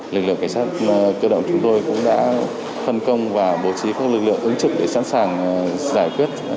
lực lượng cảnh sát cơ động chúng tôi cũng đã phân công và bố trí các lực lượng ứng trực để sẵn sàng giải quyết